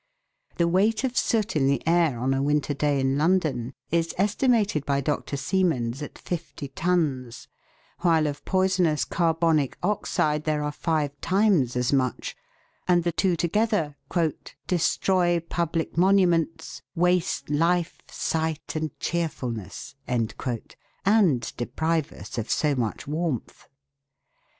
The weight of soot in the air on a winter day in London is estimated by Dr. Siemens at fifty tons, while of poisonous carbonic oxide there are five times as much, and the two together " destroy public monuments, waste life, sight, and cheerfulness," and deprive us of so much warmth.